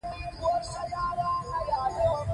پکورې له ښایسته لاسونو جوړېږي